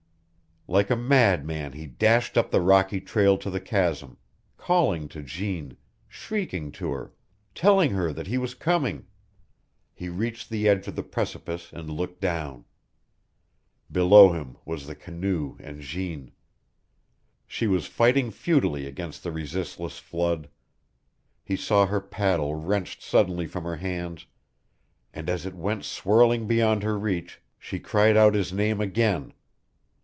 Like a madman he dashed up the rocky trail to the chasm, calling to Jeanne, shrieking to her, telling her that he was coming. He reached the edge of the precipice and looked down. Below him was the canoe and Jeanne. She was fighting futilely against the resistless flood; he saw her paddle wrenched suddenly from her hands, and as it went swirling beyond her reach she cried out his name again.